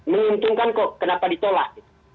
menyuntungkan kok kenapa ditolak